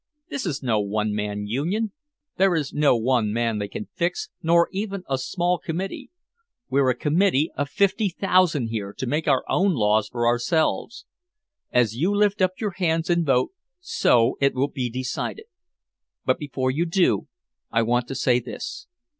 This is no one man union, there is no one man they can fix, nor even a small committee. We're a committee of fifty thousand here to make our own laws for ourselves. As you lift up your hands and vote, so it will be decided. But before you do I want to say this.